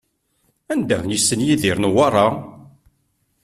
Anda i yessen Yidir Newwara?